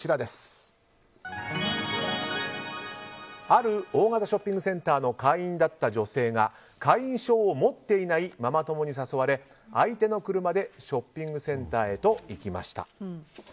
ある大型ショッピングセンターの会員だった女性が会員証を持っていないママ友に誘われ相手の車でショッピングセンターへと行きました。